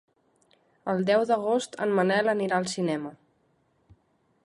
El deu d'agost en Manel anirà al cinema.